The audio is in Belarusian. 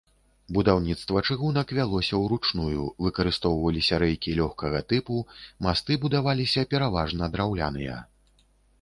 Будаўніцтва чыгунак вялося ўручную, выкарыстоўваліся рэйкі лёгкага тыпу, масты будаваліся пераважна драўляныя.